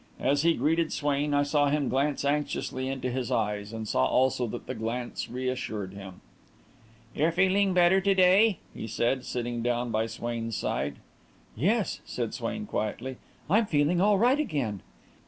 As he greeted Swain, I saw him glance anxiously into his eyes and saw also that the glance reassured him. "You're feeling better to day," he said, sitting down by Swain's side. "Yes," said Swain quietly, "I'm feeling all right again."